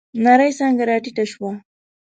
نرۍ څانگه راټيټه شوه.